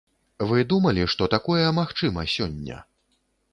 Вы думалі, што такое магчыма сёння?